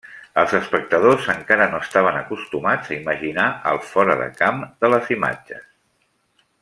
Els espectadors encara no estaven acostumats a imaginar el fora de camp de les imatges.